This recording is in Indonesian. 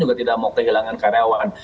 juga tidak mau kehilangan karyawan